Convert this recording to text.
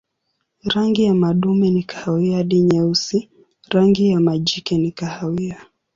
Rangi ya madume ni kahawia hadi nyeusi, rangi ya majike ni kahawia.